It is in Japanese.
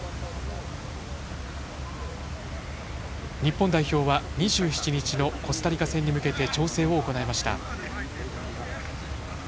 日本代表は２７日のコスタリカ戦に向けて調整を行いました。